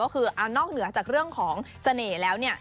ก็คือเอานอกเหนือจากเรื่องของเสน่ห์แล้วเนี่ย